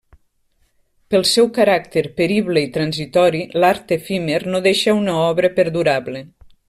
Pel seu caràcter perible i transitori, l'art efímer no deixa una obra perdurable.